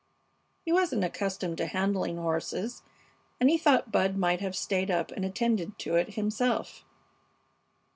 He wasn't accustomed to handling horses, and he thought Bud might have stayed up and attended to it himself.